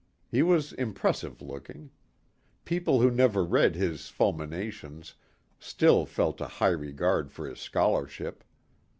He was impressive looking. People who never read his fulminations still felt a high regard for his scholarship.